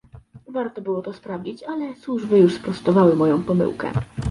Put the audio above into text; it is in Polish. Warto było to sprawdzić, ale służby już sprostowały moją pomyłkę